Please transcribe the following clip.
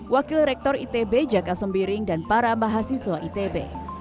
wakil rektor itb jaka sembiring dan para mahasiswa itb